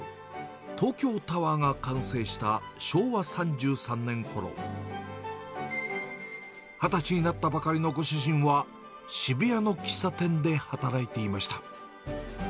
東京タワーが完成した昭和３３年ころ、２０歳になったばかりのご主人は、渋谷の喫茶店で働いていました。